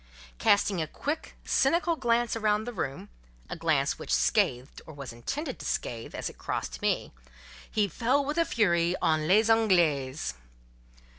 Casting a quick, cynical glance round the room—a glance which scathed, or was intended to scathe, as it crossed me—he fell with fury upon "les Anglaises."